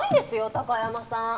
貴山さん。